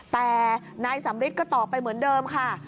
แต่นายสำริทก็ตอบไปเหมือนเดิมค่ะ